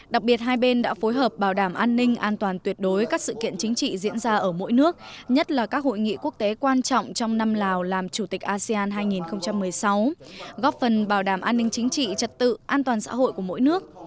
đặc biệt hai bên đã phối hợp bảo đảm an ninh an toàn tuyệt đối các sự kiện chính trị diễn ra ở mỗi nước nhất là các hội nghị quốc tế quan trọng trong năm lào làm chủ tịch asean hai nghìn một mươi sáu góp phần bảo đảm an ninh chính trị trật tự an toàn xã hội của mỗi nước